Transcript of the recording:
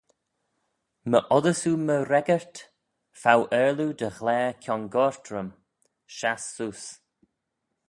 "My oddys oo my reggyrt, fow aarloo dty ghlare kiongoyrt rhym; shass seose."